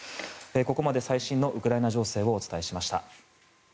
ここまで最新のウクライナ情勢をお伝えしました。